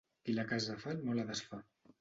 Qui la casa fa no la desfà.